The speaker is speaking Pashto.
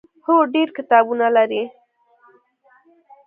هو، ډیر کتابونه لري